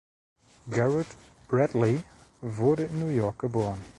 Garrett Bradley wurde in New York geboren.